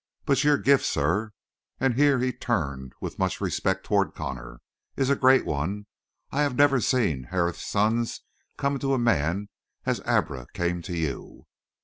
But your gift, sir" and here he turned with much respect toward Connor "is a great one. I have never seen Harith's sons come to a man as Abra came to you."